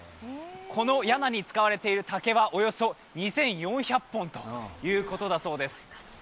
このやなに使われている竹はおよそ２４００本ということだそうです。